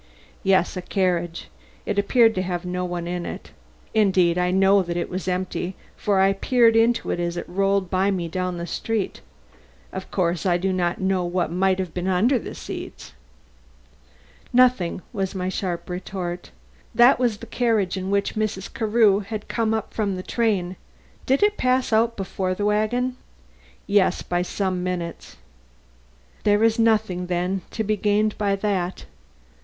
"Yes, a carriage. It appeared to have no one in it. Indeed, I know that it was empty, for I peered into it as it rolled by me down the street. Of course I do not know what might have been under the seats." "Nothing," was my sharp retort. "That was the carriage in which Mrs. Carew had come up from the train. Did it pass out before the wagon?" "Yes, by some minutes." "There is nothing, then, to be gained by that."